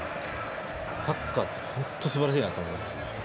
サッカーって本当にすばらしいなと思いました。